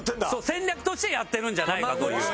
戦略としてやってるんじゃないかという。